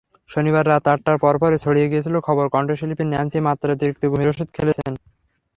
শনিবার রাত আটটার পরপরই ছড়িয়ে গিয়েছিল খবর—কণ্ঠশিল্পী ন্যান্সি মাত্রাতিরিক্ত ঘুমের ওষুধ খেয়েছেন।